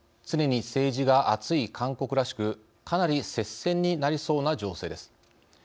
常に政治が熱い韓国らしくかなり接戦になりそうな情勢です。